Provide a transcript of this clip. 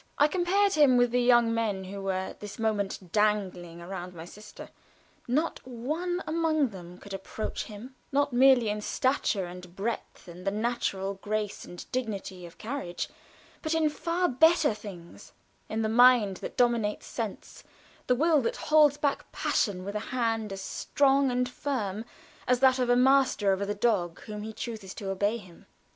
I compared him with the young men who were at this moment dangling round my sister. Not one among them could approach him not merely in stature and breadth and the natural grace and dignity of carriage, but in far better things in the mind that dominates sense; the will that holds back passion with a hand as strong and firm as that of a master over the dog whom he chooses to obey him.